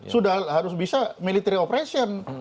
sudah harus bisa military operation